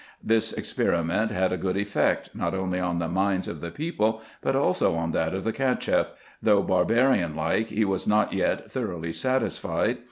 This experiment had a good effect, not only on the minds of the people, but also on that of the Cacheff; though, barbarian like, he was not yet thoroughly satisfied.